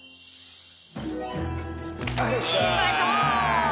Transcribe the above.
よいしょ！